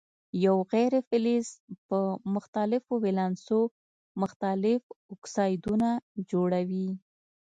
یو غیر فلز په مختلفو ولانسو مختلف اکسایدونه جوړوي.